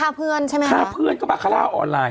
ฆ่าเพื่อนใช่ไหมคะฆ่าเพื่อนก็บาคาร่าออนไลน